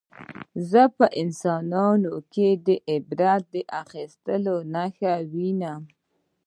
زه په انسانانو کې د عبرت اخیستلو نښه نه وینم